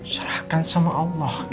serahkan sama allah